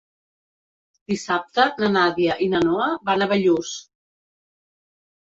Dissabte na Nàdia i na Noa van a Bellús.